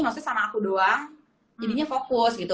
maksudnya sama aku doang jadinya fokus gitu